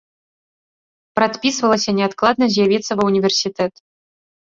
Прадпісвалася неадкладна з'явіцца ва ўніверсітэт.